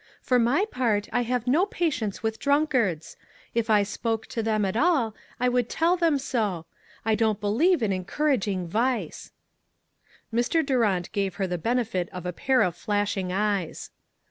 For my part, I have no patience with drunkards. If I spoke to them at all, I would tell them so. I don't believe in encouraging vice." Mr. Durant gave her the benefit of a pair of flashing eyes.